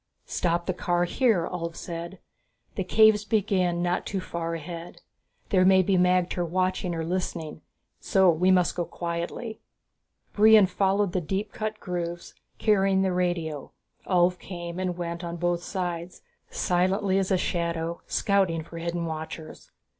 "Stop the car here," Ulv said, "The caves begin not too far ahead. There may be magter watching or listening, so we must go quietly." Brion followed the deep cut grooves, carrying the radio. Ulv came and went on both sides, silently as a shadow, scouting for hidden watchers.